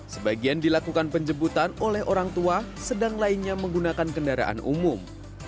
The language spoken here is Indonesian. sebagian dilakukan penjemputan oleh orang tua sedang lainnya menggunakan kendaraan umum